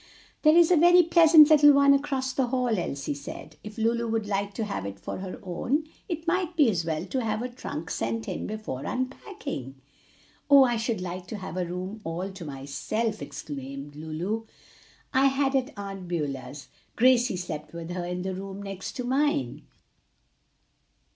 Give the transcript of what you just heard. "There is a very pleasant little one across the hall," Elsie said. "If Lulu would like to have it for her own, it might be as well to have her trunk sent in before unpacking." "Oh, I should like to have a room all to myself!" exclaimed Lulu. "I had at Aunt Beulah's. Gracie slept with her, in the room next to mine."